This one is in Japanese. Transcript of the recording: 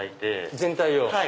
全体を。